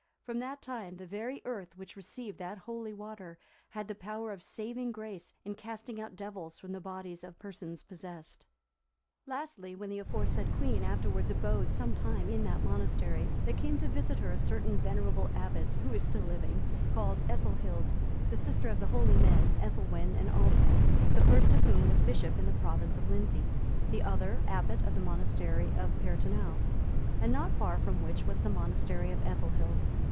(345) From that time, the very earth which received that holy water, had the power of saving grace in casting out devils from the bodies of persons possessed. Lastly, when the aforesaid queen afterwards abode some time in that monastery, there came to visit her a certain venerable abbess, who is still living, called Ethelhild, the sister of the holy men, Ethelwin(346) and Aldwin, the first of whom was bishop in the province of Lindsey, the other abbot of the monastery of Peartaneu;(347) not far from which was the monastery of Ethelhild.